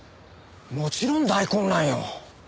もちろん大混乱よ。